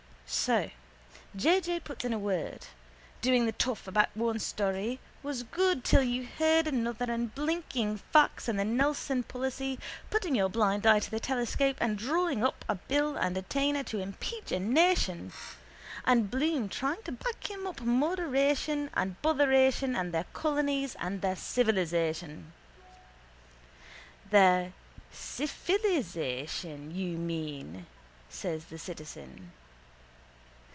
_ So J. J. puts in a word, doing the toff about one story was good till you heard another and blinking facts and the Nelson policy, putting your blind eye to the telescope and drawing up a bill of attainder to impeach a nation, and Bloom trying to back him up moderation and botheration and their colonies and their civilisation. —Their syphilisation, you mean, says the citizen.